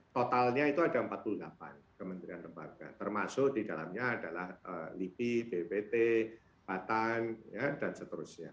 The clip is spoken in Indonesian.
totalnya itu ada empat puluh delapan kementerian lembaga termasuk di dalamnya adalah lipi bppt batan dan seterusnya